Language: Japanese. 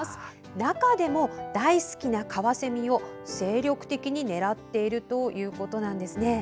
中でも大好きなカワセミを精力的に狙っているということなんですね。